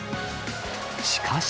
しかし。